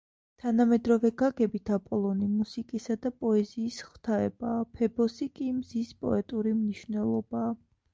თანამედროვე გაგებით აპოლონი მუსიკისა და პოეზიის ღვთაებაა, ფებოსი კი მზის პოეტური მნიშვნელობაა.